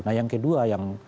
nah yang kedua yang